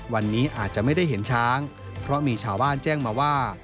วันนี้อาจจะไม่ได้เห็นช้างเพราะมีชาวบ้านแจ้งมาว่า